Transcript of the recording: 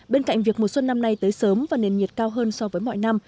bên cạnh việc mùa xuân năm nay tới sớm và nền nhiệt cao hơn so với mọi năm